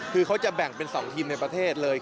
คือเขาจะแบ่งเป็น๒ทีมในประเทศเลย